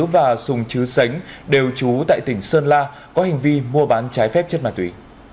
và sùng chứ sánh đều trú tại tỉnh sơn la có hành vi mua bán trái phép chất ma túy